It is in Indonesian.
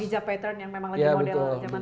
hijab pattern yang memang lagi model zaman